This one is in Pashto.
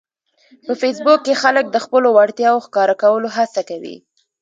په فېسبوک کې خلک د خپلو وړتیاوو ښکاره کولو هڅه کوي